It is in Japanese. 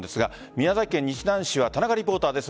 宮崎県日南市は田中リポーターです。